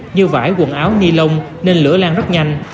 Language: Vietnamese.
như vải quần áo ni lông nên lửa lan rất nhanh